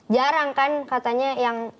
jarang kan katanya yang